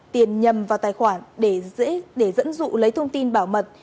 tiền nhầm vào tài khoản để dẫn dụ lấy thông tin bảo mật